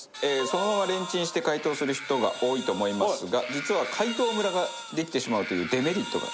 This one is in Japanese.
そのままレンチンして解凍する人が多いと思いますが実は解凍ムラができてしまうというデメリットが。